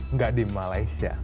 nggak di malaysia